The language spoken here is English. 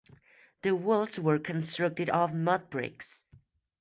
The walls were constructed of mudbricks.